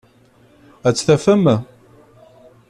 Ad t-tafem?